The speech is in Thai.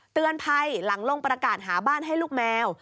เตือนภัยหลังลงประกาศหาบ้านให้ลูกแมว